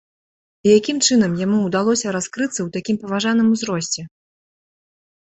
І якім чынам яму ўдалося раскрыцца ў такім паважаным узросце?